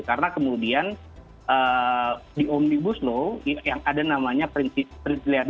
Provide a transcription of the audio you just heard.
karena kemudian di omnibus loh yang ada namanya principi